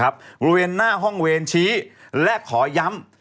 บริเวณหน้าห้องเวรชี้และขอย้ำ